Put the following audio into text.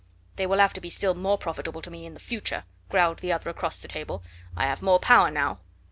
"They will have to be still more profitable to me in the future," growled the other across the table. "I have more power now."